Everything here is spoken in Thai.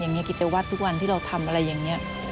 กิจวัตรทุกวันที่เราทำอะไรอย่างนี้